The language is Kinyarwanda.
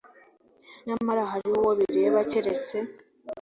Nyamara hariho uwo bireba keretse